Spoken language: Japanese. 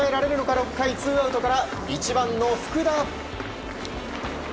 ６回ツーアウトから１番の福田。